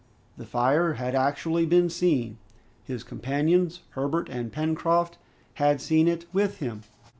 The fire had actually been seen! His companions, Herbert and Pencroft, had seen it with him!